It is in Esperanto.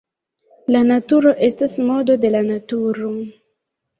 La naturo estas modo de la Naturo.